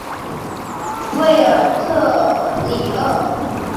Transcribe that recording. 韦尔特里厄。